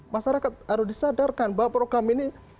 masyarakat harus disadarkan bahwa program ini